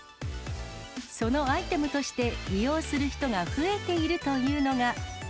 そのアイテムとして利用する人が増えているというのが。